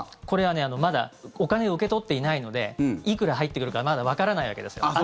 これはまだお金を受け取っていないのでいくら入ってくるかまだわからないわけですよ。